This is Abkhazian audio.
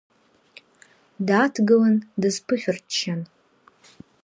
Дааҭгылан, дазԥышәырччан.